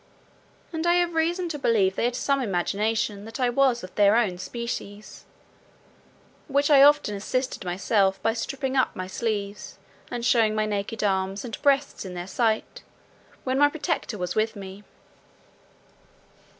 And I have reason to believe they had some imagination that I was of their own species, which I often assisted myself by stripping up my sleeves, and showing my naked arms and breast in their sight, when my protector was with me.